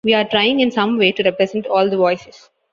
We're trying in some way to represent all the voices.